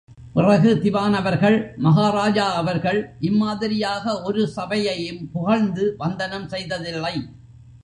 பிறகு திவான் அவர்கள், மஹாராஜா அவர்கள் இம்மாதிரியாக ஒரு சபையையும் புகழ்ந்து வந்தனம் செய்ததில்லை.